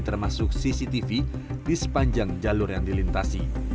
termasuk cctv di sepanjang jalur yang dilintasi